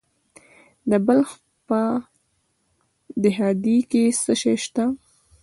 د بلخ په دهدادي کې څه شی شته؟